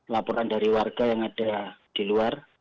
laporan dari warga yang ada di luar